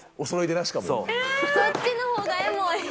そっちの方がエモい！